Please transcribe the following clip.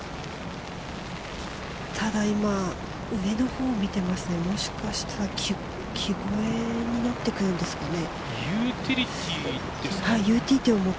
ただ、今、上の方を見ていますので、もしかしたら木越えになってくるんですかね？